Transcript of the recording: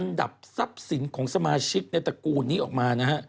นานมานะฮะ